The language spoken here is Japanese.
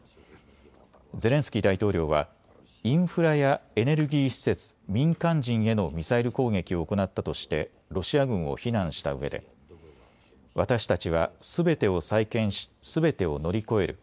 ゼレンスキー大統領はインフラやエネルギー施設、民間人へのミサイル攻撃を行ったとしてロシア軍を非難したうえで私たちはすべてを再建しすべてを乗り越える。